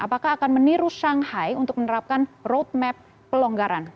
apakah akan meniru shanghai untuk menerapkan roadmap pelonggaran